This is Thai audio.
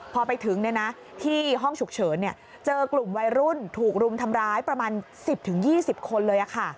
พอไปถึงที่ห้องฉุกเฉินเจอกลุ่มวัยรุ่นถูกรุมทำร้ายประมาณ๑๐๒๐คนเลย